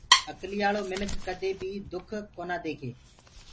اڪليآݪو منک ڪدي بي دُک ڪونآ ديکي